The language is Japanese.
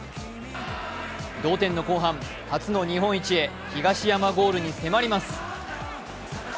同点の後半、初の日本一へ東山ゴールに迫ります。